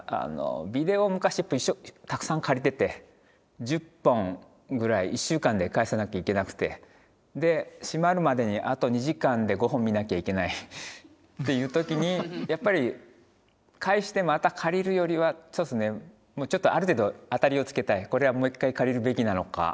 ビデオを昔たくさん借りてて１０本ぐらい１週間で返さなきゃいけなくてで閉まるまでにあと２時間で５本見なきゃいけないっていう時にやっぱり返してまた借りるよりはそうですねちょっとある程度当たりをつけたいこれはもう一回借りるべきなのか。